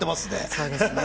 そうですね。